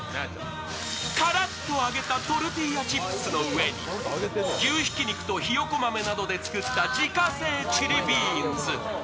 カラッと揚げたトルティーヤチップスの上に牛ひき肉とひよこ豆などで作った自家製チリビーンズ。